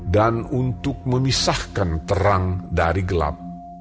dan untuk memisahkan terang dari gelap